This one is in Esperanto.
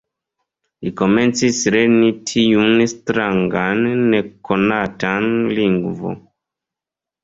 Li komencis lerni tiun strangan nekonatan lingvon.